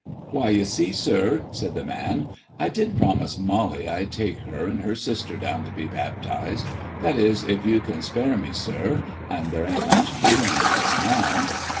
"Why, you see, sir," said the man, "I did promise Molly I'd take her and her sister down to be baptized that is, if you can spare me, sir and there ain't much doing just now."